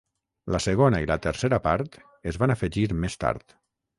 La segona i la tercera part es van afegir més tard.